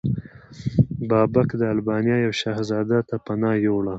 بابک د البانیا یو شهزاده ته پناه یووړه.